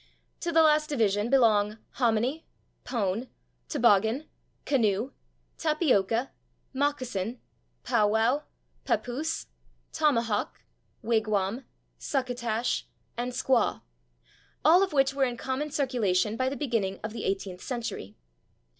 To the last division belong /hominy/, /pone/, /toboggan/, /canoe/, /tapioca/, /moccasin/, /pow wow/, /papoose/, /tomahawk/, /wigwam/, /succotash/ and /squaw/, all of which were in common circulation by the beginning of the eighteenth century.